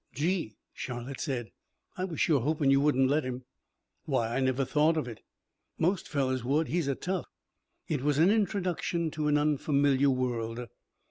"Gee!" Charlotte said, "I was sure hopin' you wouldn't let him." "Why I never thought of it." "Most fellows would. He's a tough." It was an introduction to an unfamiliar world.